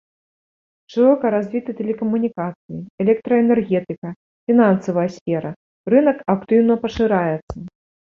Шырока развіты тэлекамунікацыі, электраэнергетыка, фінансавая сфера, рынак актыўна пашыраецца.